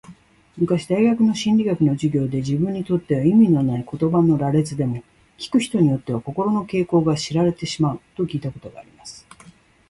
昔大学の心理学の授業で、自分にとっては意味のない言葉の羅列でも、聞く人によっては、心の傾向が知られてしまうと聞いたことがあります。